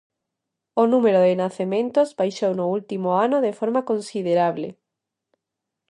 O número de nacementos baixou no último ano de forma considerable.